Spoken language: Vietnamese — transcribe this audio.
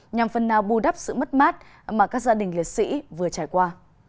nhằm phần nào bù đắp sự mất mát mà các gia đình liệt sĩ vừa trải qua